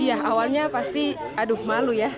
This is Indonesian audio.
iya awalnya pasti aduh malu ya